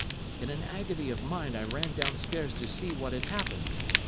In an agony of mind I ran downstairs to see what had happened.